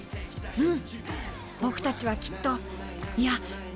うん。